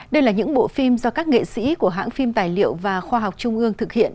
đây là những bộ phim do các nghệ sĩ của hãng phim tài liệu và khoa học trung ương thực hiện